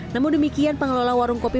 namun demikian pengelola warung kopi